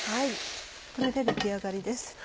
これで出来上がりです。